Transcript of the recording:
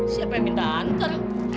siapa yang minta antar